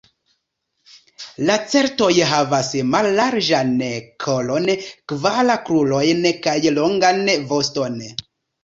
Lacertoj havas mallarĝan kolon, kvar krurojn kaj longan voston.